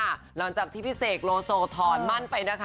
หลังจากที่พี่เสกโลโซถอนมั่นไปนะคะ